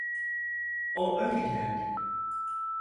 O öncedendi.